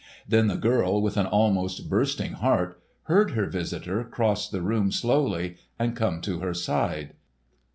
Then the girl, with an almost bursting heart, heard her visitor cross the room slowly and come to her side.